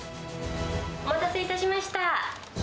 お待たせいたしました。